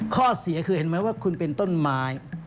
ข้อเสียคือเห็นไหมว่าคุณเป็นต้นไม้